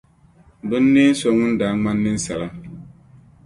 binneen’ so ŋun daa ŋmani ninsala.